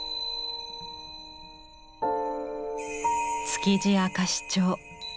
「築地明石町」。